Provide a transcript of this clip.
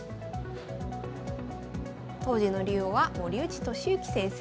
当時の竜王は森内俊之先生。